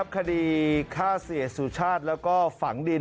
คดีฆ่าเสียสุชาติแล้วก็ฝังดิน